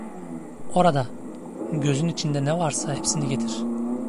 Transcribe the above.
Orada, gözün içinde ne varsa hepsini getir!